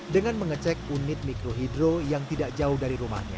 dengan mengecek unit mikrohidro yang tidak jauh dari rumahnya